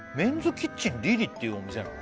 キッチンＲＩＲＩっていうお店なの？